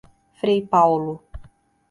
Frei Paulo